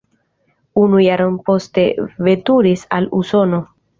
Unu jaron poste veturis al Usono.